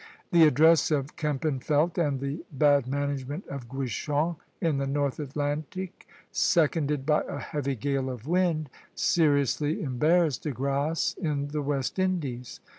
The address of Kempenfeldt and the bad management of Guichen in the North Atlantic, seconded by a heavy gale of wind, seriously embarrassed De Grasse in the West Indies.